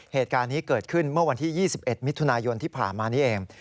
เหตุการณ์นี้เกิดขึ้นเมื่อวันที่๒๑มิถุนายนที่ผ่านมานี้เอง